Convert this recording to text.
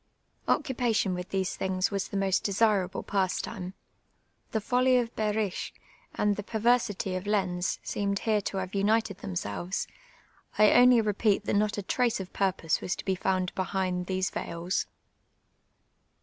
Occupation with these thinj^ was tlie most desiral)le pastime. The follv of IJehrisch and the p(nirsity (tf Ix'uz seemed here to have united themselves ; I only repeat that not a trace of piu pose was to be found behind thcBc veils.